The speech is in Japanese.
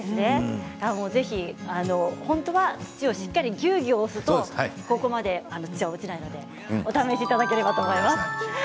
本当は土をしっかりぎゅうぎゅうと押すとここまで土が落ちないのでお試しいただければと思います。